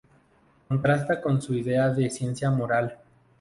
Contrasta con su idea de ciencia normal.